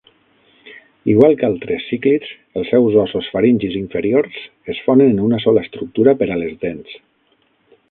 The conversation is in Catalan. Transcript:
Igual que altres cíclids, els seus ossos faringis inferiors es fonen en una sola estructura per a les dents.